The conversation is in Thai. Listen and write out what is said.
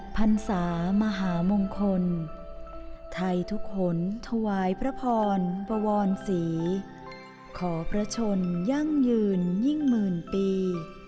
พันศามหามงคลไทยทุกหนถวายพระพรบวรศรีขอพระชนยั่งยืนยิ่งหมื่นปี